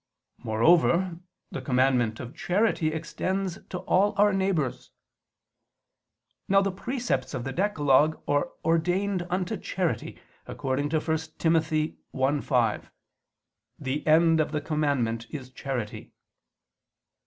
Moreover the commandment of charity extends to all our neighbors. Now the precepts of the decalogue are ordained unto charity, according to 1 Tim. 1:5: "The end of the commandment is charity."